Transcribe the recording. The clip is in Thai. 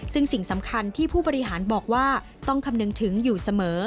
ซึ่งสิ่งสำคัญที่ผู้บริหารบอกว่าต้องคำนึงถึงอยู่เสมอ